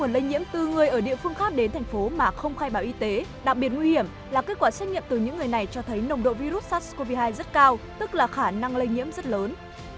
lây nhiễm từ người ở địa phương khác đến thành phố mà không khai báo y tế đặc biệt nguy hiểm là kết quả xét nghiệm từ những người này cho thấy nồng độ virus sars cov hai rất cao tức là khả năng lây nhiễm rất lớn